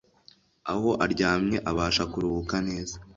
aho aryamye abasha kuruhuka neza